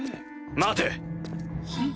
待て。